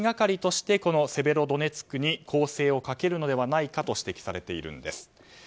してセベロドネツクに攻勢をかけるのではないかと指摘されているんです。